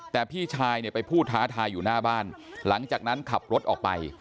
แต่พี่ชายเนี่ยไปพูดท้าทายอยู่หน้าบ้านหลังจากนั้นขับรถออกไป